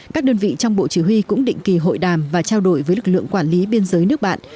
các đơn vị trong bộ chỉ huy cũng định kỳ hội đàm và trao đổi với lực lượng quản lý biên giới nước bạn